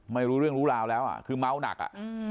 ไม่รู้เรื่องรู้ราวแล้วอ่ะคือเมาหนักอ่ะ